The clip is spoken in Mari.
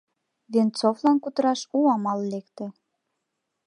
Венцовлан кутыраш у амал лекте.